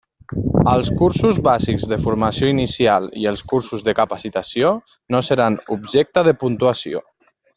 Els cursos bàsics de formació inicial i els cursos de capacitació no seran objecte de puntuació.